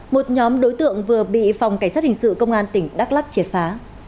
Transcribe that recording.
một nhóm đối tượng vừa bị phòng cảnh sát hình sự công an tỉnh đắk lắc triệt phá